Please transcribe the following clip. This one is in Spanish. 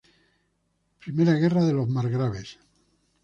Primera Guerra de los Margraves